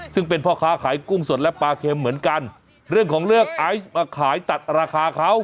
ซึ่งเป็นพ่อค้าขายกุ้งสดและปลาเข็มเหมือนกันเรื่องของเรื่องไอซ์มาขายตัดราคาเขา